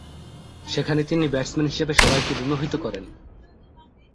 সেখানে তিনি ব্যাটসম্যান হিসেবে সবাইকে বিমোহিত করেন।